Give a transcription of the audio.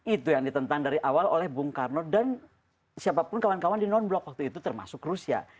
itu yang ditentang dari awal oleh bung karno dan siapapun kawan kawan di non blok waktu itu termasuk rusia